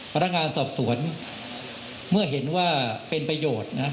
พนักงานสอบสวนเมื่อเห็นว่าเป็นประโยชน์นะ